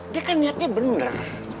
dia kan niatnya bener